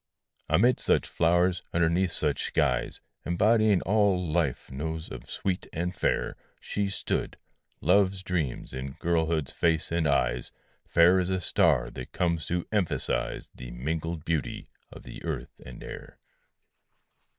Amid such flowers, underneath such skies, Embodying all life knows of sweet and fair, She stood; love's dreams in girlhood's face and eyes, Fair as a star that comes to emphasize The mingled beauty of the earth and air.